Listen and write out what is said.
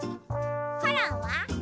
コロンは？